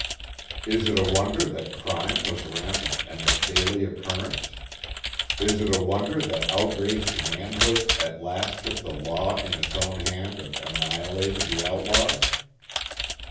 Is it a wonder that crime was rampant and of daily occurrence? Is it a wonder that outraged manhood at last took the law in its own hand and annihilated the outlaws?